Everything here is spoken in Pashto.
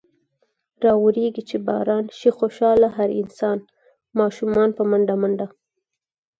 راورېږي چې باران۔ شي خوشحاله هر انسان ـ اشومان په منډه منډه ـ